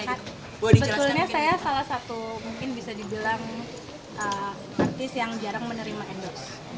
sebetulnya saya salah satu mungkin bisa dibilang artis yang jarang menerima endorse